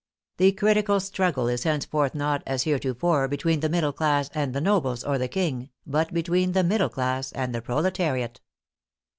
The critical struggle is henceforth not, as hereto fore, between the middle class and the nobles or the King, but between the middle class and the proletariat.